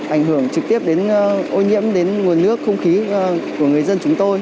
ảnh hưởng trực tiếp đến ô nhiễm đến nguồn nước không khí của người dân chúng tôi